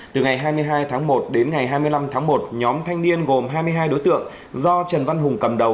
từ ngày hai mươi hai tháng một đến ngày hai mươi năm tháng một nhóm thanh niên gồm hai mươi hai đối tượng do trần văn hùng cầm đầu